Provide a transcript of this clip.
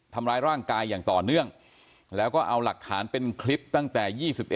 ทำร้ายร่างกายอย่างต่อเนื่องแล้วก็เอาหลักฐานเป็นคลิปตั้งแต่๒๑